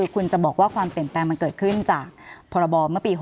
ก็แปลงมันเกิดขึ้นจากพระบอบเมื่อปี๖๑